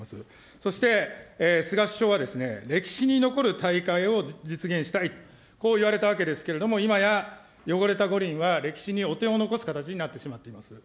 そして、菅首相は歴史に残る大会を実現したい、こう言われたわけですけれども、今や汚れた五輪は、歴史に汚点を残す形になってしまっています。